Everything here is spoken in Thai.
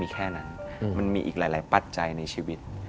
และมันมีอีกหลายปัจจัยในชีวิต